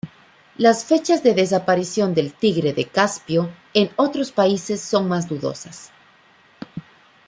Las fechas de desaparición del tigre del Caspio en otros países son más dudosas.